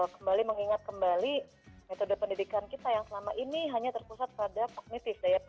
kembali mengingat kembali metode pendidikan kita yang selama ini hanya terpusat pada kognitif